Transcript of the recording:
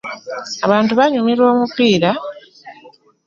Abantu banyumirwa omupiira.